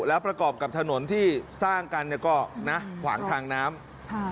แล้วประกอบกับถนนที่สร้างกันเนี่ยก็นะขวางทางน้ำค่ะ